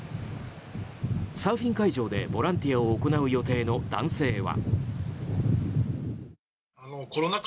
サーフィン会場でボランティアを行う予定の男性は。